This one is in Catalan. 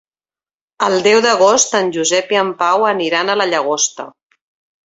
El deu d'agost en Josep i en Pau aniran a la Llagosta.